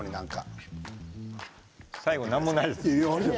最後、何もないです。